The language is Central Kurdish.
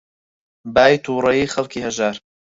بای تووڕەیی خەڵکی هەژار